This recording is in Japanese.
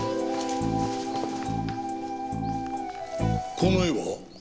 この絵は？